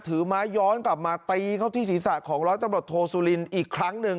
ถือไม้ย้อนกลับมาตีเขาที่ศีรษะของร้อยตำรวจโทสุลินอีกครั้งหนึ่ง